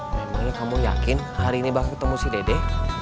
memangnya kamu yakin hari ini bakal ketemu si dede